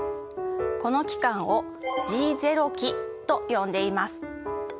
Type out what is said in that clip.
この期間をＧ期と呼んでいます。